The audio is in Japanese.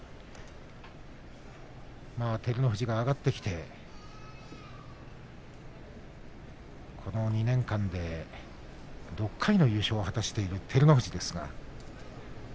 照ノ富士が上がってきてこの２年間で６回の優勝を果たしている照ノ富士です。